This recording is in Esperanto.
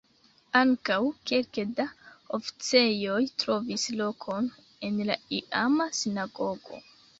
Ankaŭ kelke da oficejoj trovis lokon en la iama sinagogo.